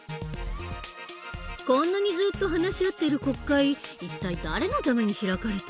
こんなにずっと話し合っている国会一体誰のために開かれてるの？